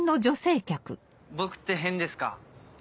僕って変ですか？